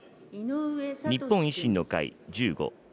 日本維新の会１５。